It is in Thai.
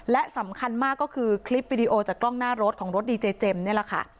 และสำคัญมากก็คือคลิปวิดีโอจากกล้องหน้ารถของรถดีเจเจมส์นี่แหละค่ะ